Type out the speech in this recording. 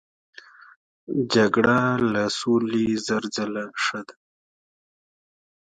جګړه له سولې زر ځله ښه ده.